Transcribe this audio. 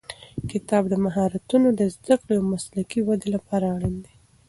کتاب د مهارتونو د زده کړې او مسلکي ودې لپاره اړین دی.